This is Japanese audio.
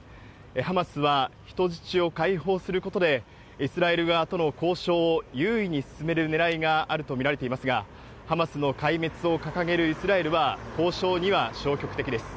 ハマスは人質を解放することで、イスラエル側との交渉を優位に進めるねらいがあると見られていますが、ハマスの壊滅を掲げるイスラエルは、交渉には消極的です。